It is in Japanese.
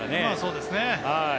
そうですね。